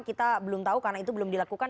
kita belum tahu karena itu belum dilakukan